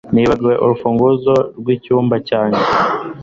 Nibagiwe urufunguzo rwicyumba cyanjye